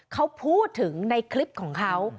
เขาพูดถึงในคลิปของเขา